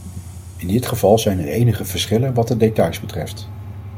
In dit geval zijn er enige verschillen wat de details betreft.